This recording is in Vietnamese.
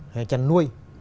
hay chăn nuôi